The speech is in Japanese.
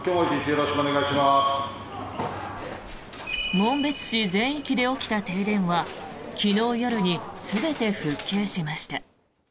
紋別市全域で起きた停電は昨日夜に全て復旧しました。